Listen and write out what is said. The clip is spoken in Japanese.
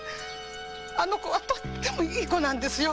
あの子とてもいい子なんですよ。